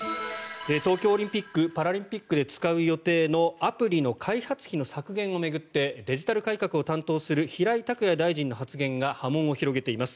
東京オリンピック・パラリンピックで使う予定のアプリの開発費の削減を巡ってデジタル改革を担当する平井卓也大臣の発言が波紋を広げています。